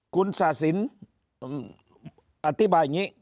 คุณศาสินอธิบายอย่างนี้